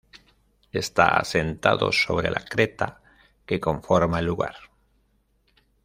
Está asentado sobre la creta que conforma el lugar.